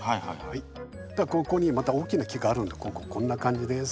ここにまた大きな木があるのでこんな感じです。